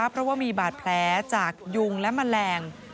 เพราะว่ามีบาดแผลจากยุงและแมลง